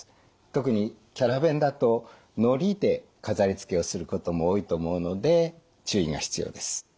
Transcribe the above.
特にキャラ弁だとのりで飾りつけをすることも多いと思うので注意が必要です。